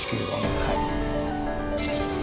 はい。